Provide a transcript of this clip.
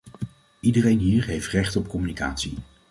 Iedereen hier heeft een recht op communicatie.